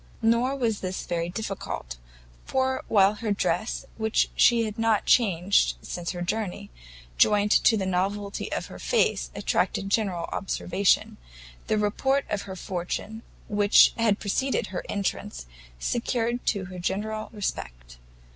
Nor was this very difficult; for while her dress, which she had not changed since her journey, joined to the novelty of her face, attracted general observation, the report of her fortune, which had preceded her entrance, secured to her general respect.